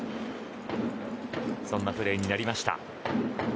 そんなプレーになりました。